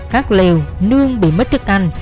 các lều nương bị mất thức ăn